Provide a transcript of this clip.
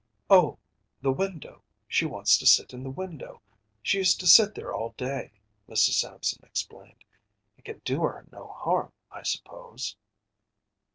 “Oh, the window she wants to sit in the window. She used to sit there all day,‚ÄĚ Mrs. Sampson explained. “It can do her no harm, I suppose?